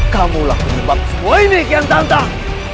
kamulah penyembah semua ini keang santan